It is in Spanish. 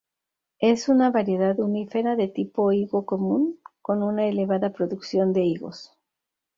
Es una variedad unífera de tipo higo común, con una elevada producción de higos.